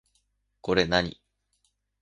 これ何